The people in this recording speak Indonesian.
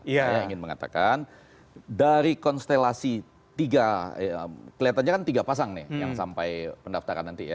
saya ingin mengatakan dari konstelasi tiga kelihatannya kan tiga pasang nih yang sampai pendaftaran nanti ya